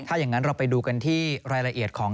ถ้าอย่างนั้นเราไปดูกันที่รายละเอียดของ